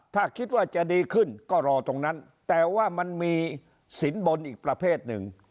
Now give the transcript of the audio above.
ถ้าคิดว่าจะดีขึ้นก็รอตรงนั้นแต่ว่ามันมีสินบนอีกประเภทหนึ่ง